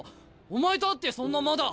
お前と会ってそんなまだ。